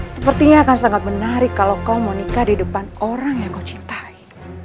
sepertinya akan sangat menarik kalau kau mau nikah di depan orang yang kau cintai